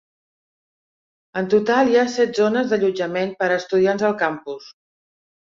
En total hi ha set zones d'allotjament per a estudiants al campus.